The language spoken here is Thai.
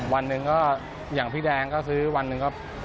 วันหนึ่งก็อย่างพี่แดงก็ซื้อวันหนึ่งก็